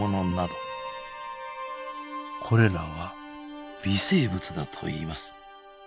これらは微生物だといいます。